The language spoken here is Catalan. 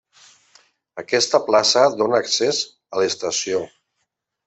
Aquesta plaça dóna accés a l'estació.